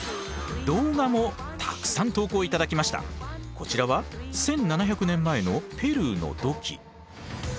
こちらは１，７００年前のペルーの土器。